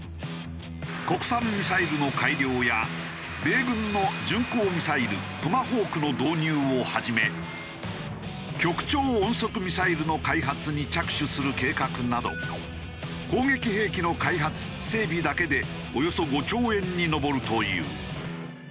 国産ミサイルの改良や米軍の巡航ミサイルトマホークの導入をはじめ極超音速ミサイルの開発に着手する計画など攻撃兵器の開発整備だけでおよそ５兆円に上るという。